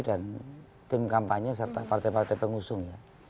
dan tim kampanye serta partai partai pengusung